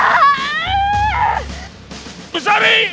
aku tidak ingin memiliki ibu iblis seperti mu